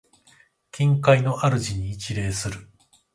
近海の主に一礼する。